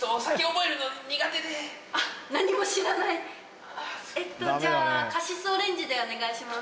えっとじゃあカシスオレンジでお願いします。